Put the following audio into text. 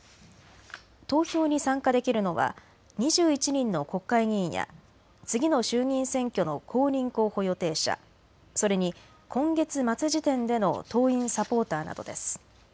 投票に参加できるのは２１人の国会議員や次の衆議院選挙の公認候補予定者、それに今月末時点での党員、サポーターなどです。